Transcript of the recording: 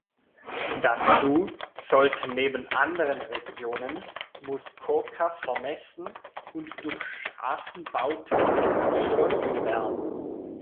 Dazu sollte neben anderen Regionen Muskoka vermessen und durch Straßenbauten erschlossen werden.